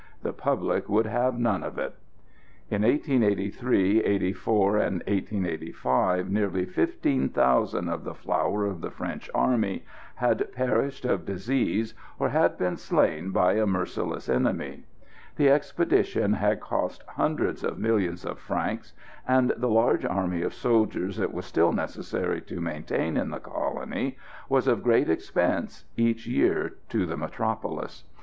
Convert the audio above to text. The public would have none of it. In 1883, 1884 and 1885 nearly fifteen thousand of the flower of the French army had perished of disease, or had been slain by a merciless enemy. The expedition had cost hundreds of millions of francs, and the large army of soldiers it was still necessary to maintain in the colony was of great expense each year to the metropolis.